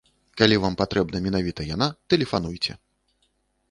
Калі вам патрэбна менавіта яна, тэлефануйце!